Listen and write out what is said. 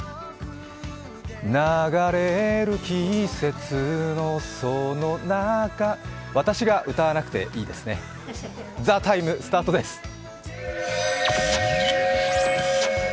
流れる季節のその中私が歌わなくていいですね「ＴＨＥＴＩＭＥ，」スタートです。